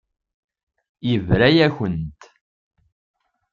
Yebra-yakent.